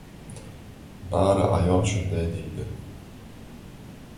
— Bari ayol shunday deydi.